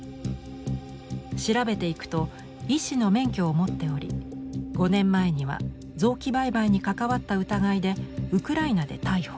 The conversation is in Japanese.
調べていくと医師の免許を持っており５年前には臓器売買に関わった疑いでウクライナで逮捕。